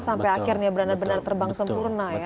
sampai akhirnya benar benar terbang sempurna ya